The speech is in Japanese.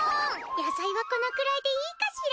野菜はこのくらいでいいかしら？